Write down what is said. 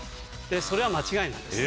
それは間違いなんです。